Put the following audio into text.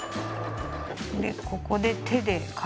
でここで手で返す。